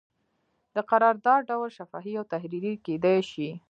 د قرارداد ډول شفاهي او تحریري کیدی شي.